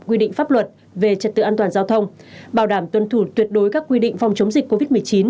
quy định pháp luật về trật tự an toàn giao thông bảo đảm tuân thủ tuyệt đối các quy định phòng chống dịch covid một mươi chín